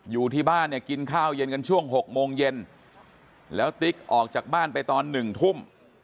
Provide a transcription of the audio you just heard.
อยู่ที่บ้านเนี่ยกินข้าวเย็นกันช่วง๖โมงเย็นแล้วติ๊กออกจากบ้านไปตอน๑ทุ่ม